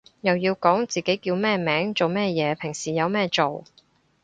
又要講自己叫咩名做咩嘢平時有咩做